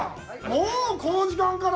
もうこの時間から。